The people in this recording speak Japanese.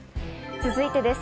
続いてです。